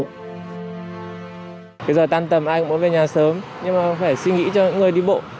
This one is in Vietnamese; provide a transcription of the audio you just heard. bây giờ tan tầm ai cũng muốn về nhà sớm nhưng mà phải suy nghĩ cho những người đi bộ